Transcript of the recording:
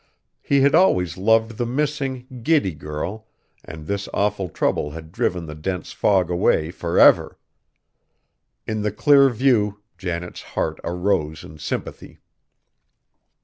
He had always loved the missing, giddy girl; and this awful trouble had driven the dense fog away forever! In the clear view, Janet's heart arose in sympathy.